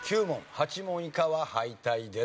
８問以下は敗退です。